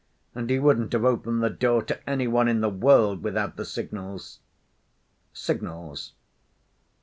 And he wouldn't have opened the door to any one in the world without the signals." "Signals?